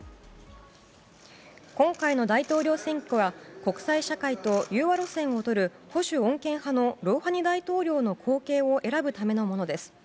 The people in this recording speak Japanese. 今回の大統領選挙は国際社会と融和路線をとる保守穏健派のロウハニ大統領の後継を選ぶためのものです。